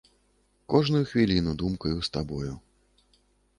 Кожную хвіліну думкаю з табою.